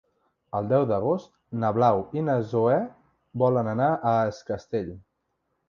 El deu d'agost na Blau i na Zoè volen anar a Es Castell.